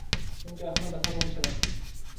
কিন্তু এখনো ব্যথা কমছে না।